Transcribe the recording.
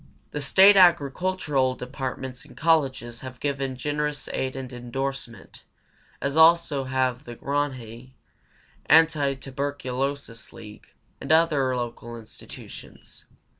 The State agricultural departments and colleges have given generous aid and indorsement, as have also the Grange, Antituberculosis League, and other local institutions.